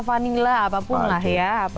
vanila apapun lah ya